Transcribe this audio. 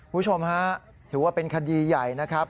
คุณผู้ชมฮะถือว่าเป็นคดีใหญ่นะครับ